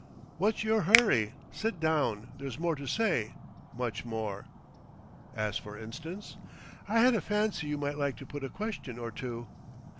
"What's your hurry? Sit down. There's more to say much more." "As for instance ?" "I had a fancy you might like to put a question or two."